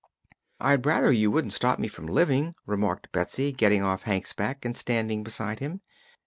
"I'd rather you wouldn't stop me from living," remarked Betsy, getting off Hank's back and standing beside him.